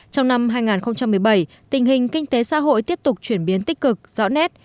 trong năm hai nghìn một mươi bảy tình hình kinh tế xã hội tiếp tục chuyển biến tích cực rõ nét